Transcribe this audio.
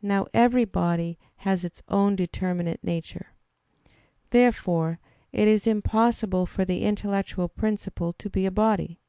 Now every body has its own determinate nature. Therefore it is impossible for the intellectual principle to be a body.